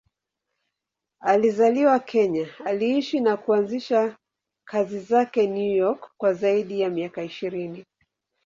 Alizaliwa Kenya, aliishi na kuanzisha kazi zake New York kwa zaidi ya miaka ishirini.